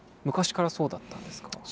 昔からそうだったんですか？